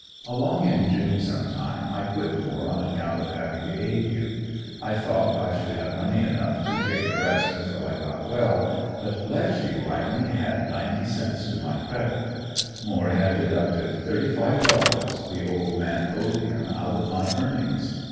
Along in June sometime I quit Moore on account of having the ague. I thought I should have money enough to take a rest until I got well, but bless you I only had ninety cents to my credit, Moore had deducted thirty five dollars the "old man" owed him out of my earnings.